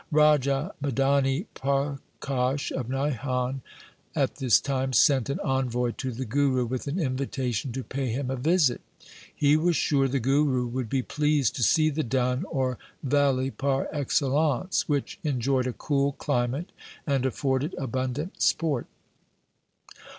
Raja Medani Parkash of Nahan at this time sent an envoy to the Guru with an invitation to pay him a visit. He was sure the Guru would be pleased to see the Dun, or valley par excellence* which enjoyed a cool climate and afforded abundant sport.